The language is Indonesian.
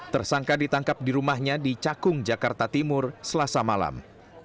tersangka ditangkap di rumahnya di cakung jakarta timur selasa malam